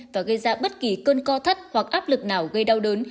và gây ra bất kỳ cơn co thắt hoặc áp lực nào gây đau đớn